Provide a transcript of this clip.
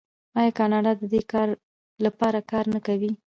آیا کاناډا د دې لپاره کار نه کوي؟